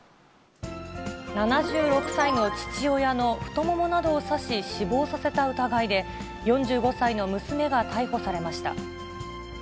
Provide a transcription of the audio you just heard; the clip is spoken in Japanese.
７６歳の父親の太ももなどを刺し、死亡させた疑いで、４５歳の娘が逮捕されました。